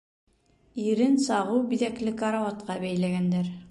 Ирен сағыу биҙәкле карауатҡа бәйләгәндәр.